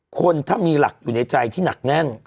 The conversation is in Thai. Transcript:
คนถ้ามีหลักอยู่ในใจที่หนักแน่น